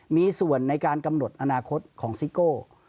มีส่วนในการกำหนดอนาคตของซิโก้